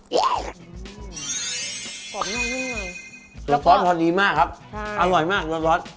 หอมน้องนุ่มน้อยแล้วซอสดีมากครับใช่อร่อยมากร้อนร้อน